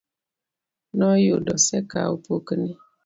Noyudo osekawo pokne.